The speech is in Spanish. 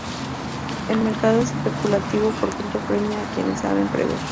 El mercado especulativo por tanto premia a quienes saben prever.